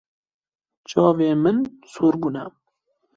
Çavên min sor bûne.